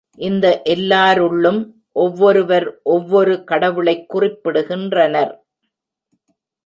இந்த எல்லாருள்ளும் ஒவ்வொருவர் ஒவ்வொரு கடவுளைக்குறிப்பிடுகின்றனர்.